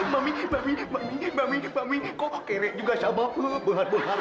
mami mami mami mami kok kere juga sama peluh bulat bulat